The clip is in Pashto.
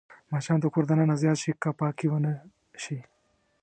مچان د کور دننه زیات شي که پاکي ونه شي